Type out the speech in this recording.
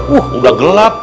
wah udah gelap